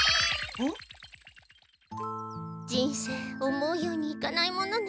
ん？人生思うようにいかないものね。